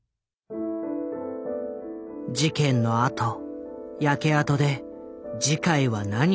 事件のあと焼け跡で慈海は何を思ったのか。